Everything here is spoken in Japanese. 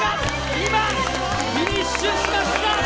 今、フィニッシュしました！